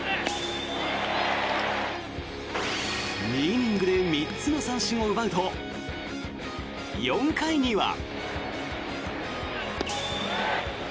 ２イニングで３つの三振を奪うと４回には。